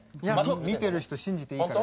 見てる人信じていいから。